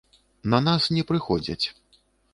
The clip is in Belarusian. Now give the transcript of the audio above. На нас не прыходзяць.